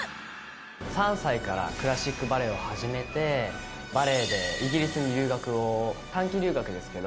３歳からクラシックバレエを始めてバレエでイギリスに留学を短期留学ですけど。